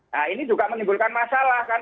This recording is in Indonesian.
nah ini juga menimbulkan masalah kan